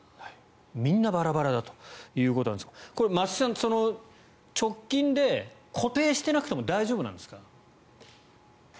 みんなバラバラだということですが松木さん直近で固定していなくても大丈夫なんですか？